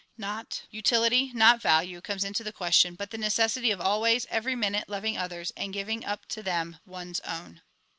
Not utility, not value, comes into the question, but the necessity of always, every minute, loving others, and giving up to them one's own.